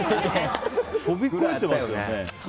飛び越えてますよね。